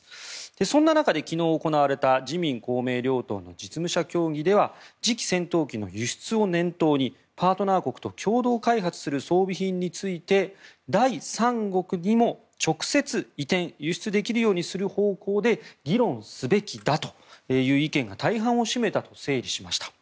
そんな中で昨日行われた自民・公明両党の実務者協議では次期戦闘機の輸出を念頭にパートナー国と共同開発する装備品について第三国にも直接、移転輸出できるようにする方向で議論すべきだという意見が大半を占めたと整理しました。